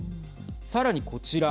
さらに、こちら。